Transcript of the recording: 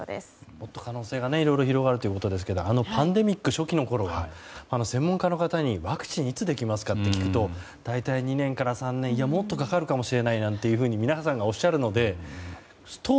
もっと可能性がいろいろ広がるということですがあのパンデミック初期のころは専門家の方にワクチンはいつできますかと聞くと大体２年から３年いや、もっとかかるかもしれないなんて皆さんがおっしゃるので。